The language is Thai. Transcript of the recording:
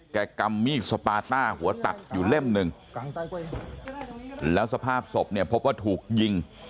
กำมีดสปาต้าหัวตัดอยู่เล่มหนึ่งแล้วสภาพศพเนี่ยพบว่าถูกยิง